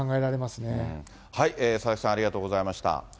佐々木さん、ありがとうございました。